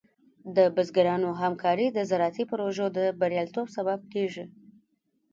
د بزګرانو همکاري د زراعتي پروژو د بریالیتوب سبب کېږي.